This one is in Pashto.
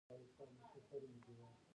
د شکردرې باغونه مڼې لري.